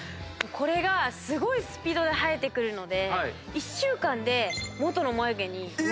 これがすごいスピードで生えてくるので１週間で元の眉毛に。